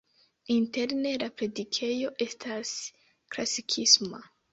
Interne la predikejo estas klasikisma.